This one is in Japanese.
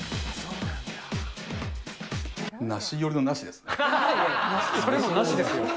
なし寄りのなしですね。